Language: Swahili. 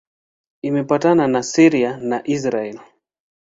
Imepakana na Syria na Israel.